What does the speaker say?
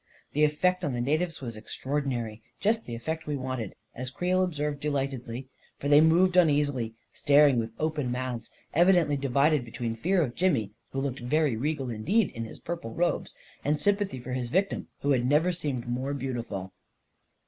The effect on the natives was ex traordinary — just the effect we wanted, as Creel observed delightedly, for they moved uneasily, star ing with open mouths, evidently divided between fear of Jimmy, who looked very regal indeed in his pur ple robes, and sympathy for his victim, who had never seemed more beautiful.